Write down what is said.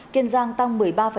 kiên giang tăng một mươi ba sáu